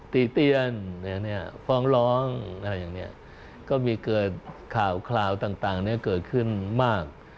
ดีเตียนฟ้องร้องก็มีเกิดข่าวต่างเกิดขึ้นมาก